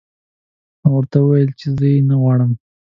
ما ورته وویل چې زه یې نه غواړم